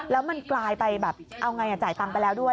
แล้วมันกลายไปแบบเอาไงจ่ายตังค์ไปแล้วด้วย